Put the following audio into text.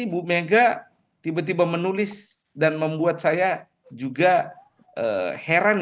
ibu mega tiba tiba menulis dan membuat saya juga heran